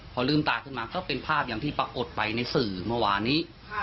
พอลืมตาขึ้นมาก็เป็นภาพอย่างที่ปรากฏไปในสื่อเมื่อวานนี้